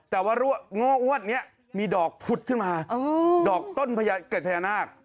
แต่ว่าง้ออดนี้มีดอกพุดขึ้นมาดอกต้นเกร็ดพะยานาค